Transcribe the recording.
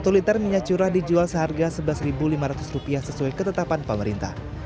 satu liter minyak curah dijual seharga rp sebelas lima ratus sesuai ketetapan pemerintah